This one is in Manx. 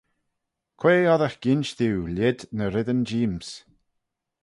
Quoi oddagh ginsh diu lhied ny reddyn jeem's?